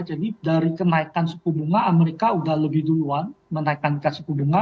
jadi dari kenaikan suku bunga amerika udah lebih duluan menaikkan suku bunga